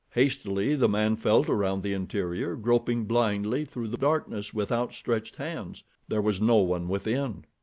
Hastily the man felt around the interior, groping blindly through the darkness with outstretched hands. There was no one within!